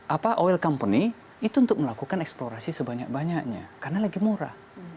apa oil company itu untuk melakukan eksplorasi sebanyak banyaknya karena lagi murah